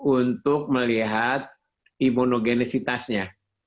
untuk melihat imunogenisitasnya